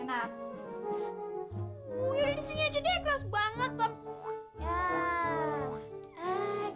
yaudah disini aja deh keras banget pam